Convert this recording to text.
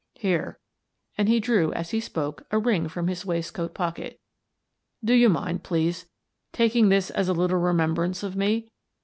Here," and he drew, as he spoke, a ring from his waistcoat pocket, " do you mind, please, taking this as a little remem brance of me